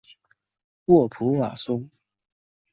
沃普瓦松。